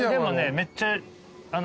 めっちゃ。